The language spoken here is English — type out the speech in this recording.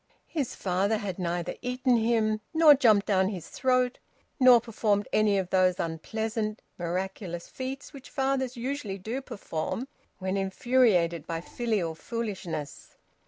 His father had neither eaten him, nor jumped down his throat, nor performed any of those unpleasant miraculous feats which fathers usually do perform when infuriated by filial foolishness.